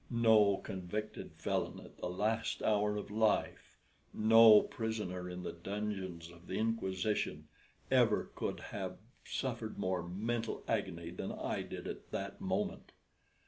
No convicted felon at the last hour of life, no prisoner in the dungeons of the Inquisition, ever could have suffered more mental agony than I did at that moment.